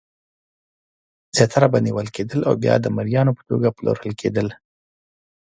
زیاتره به نیول کېدل او بیا د مریانو په توګه پلورل کېدل.